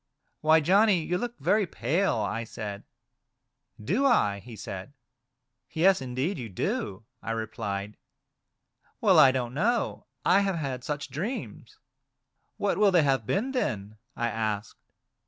" Why, Johnny, you look very pale," I said. " Do I ?" he said. "Yes ! indeed you do," I replied. "Well, I don't know, I have had such dreams." " What will they have been, then ?" I asked.